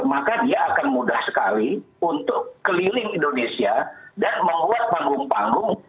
maka dia akan mudah sekali untuk keliling indonesia dan membuat panggung panggung